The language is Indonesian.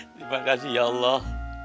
terima kasih ya allah